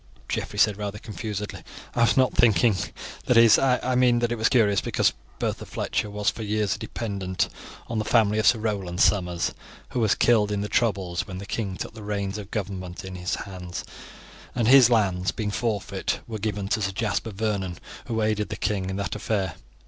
Geoffrey said, rather confusedly. "I was not thinking that is I mean that it is curious because Bertha Fletcher was for years a dependant on the family of Sir Roland Somers, who was killed in the troubles when the king took the reins of government in his hands, and his lands, being forfeit, were given to Sir Jasper Vernon, who aided the king in that affair."